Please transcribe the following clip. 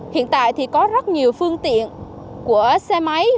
hiện tại thì có rất nhiều phương tiện của xe máy và xe ô tô